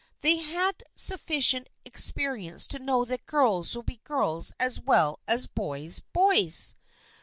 They had had sufficient experience to know that girls will be girls as well as boys, boys.